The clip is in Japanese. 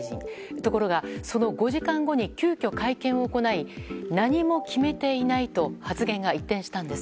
ところが、その５時間後に急きょ、会見を行い何も決めていないと発言が一転したんです。